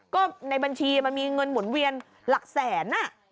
ก็ในบัญชีมันมีเงินหมุนเวียนหลักแสน